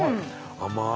甘い！